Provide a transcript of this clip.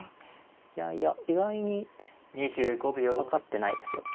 いやいや意外に分かってないですよ。